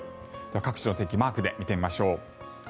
各地の天気をマークで見てみましょう。